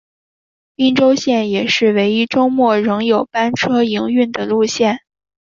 宾州线也是唯一周末仍有班车营运的路线。